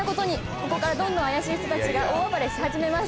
ここからどんどん怪しい人たちが大暴れし始めます。